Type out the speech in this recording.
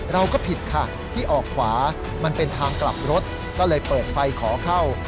เราก็ผิดค่ะที่ออกขวามันเป็นทางกลับรถก็เลยเปิดไฟขอเข้า